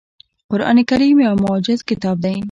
قرآن کریم یو معجز کتاب دی .